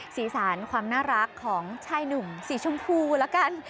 สีสารความน่ารักของชายหนุ่มสีชมพูแล้วกัน